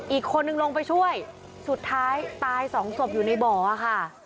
อีกคนนึงลงไปช่วยสุดท้ายตายสองศพอยู่ในบ่อค่ะ